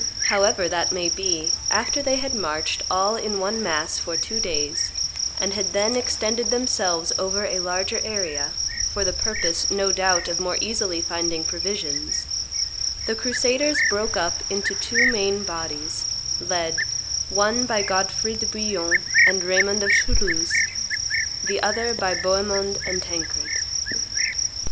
However that may be, after they had marched all in one mass for two days, and had then extended themselves over a larger area, for the purpose, no doubt, of more easily finding provisions, the crusaders broke up into two main bodies, led, one by Godfrey de Bouillon and Raymond of Toulouse, the other by Bohemond and Tancred.